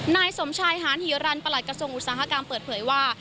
นายสมชายหานฮีรันประหลัดกระทรวงอุตสาหกรรมเปิดเผยว่า